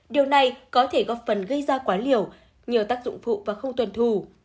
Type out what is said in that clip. điều này có thể góp phần gây ra quá liều nhờ tác dụng phụ và không tuần thù